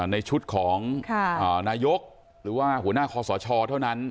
ในชุดของนายกหรือว่าหัวหน้าคอสชเท่านั้น